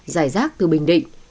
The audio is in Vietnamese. giải rác từ bình định